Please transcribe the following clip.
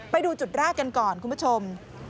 ไปดูจุดแรกกันก่อนคุณผู้ชม